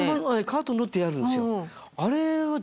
カートに乗ってやるんですよ。